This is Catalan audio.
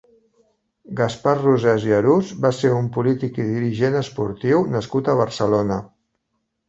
Gaspar Rosés i Arús va ser un polític i dirigent esportiu nascut a Barcelona.